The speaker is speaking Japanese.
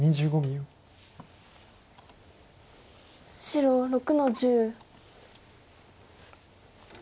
白６の十。